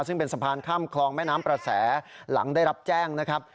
ซึ่งเป็นสะพานข้ามคลองแม่น้ำประแสหลังได้รับแจ้งนะครับ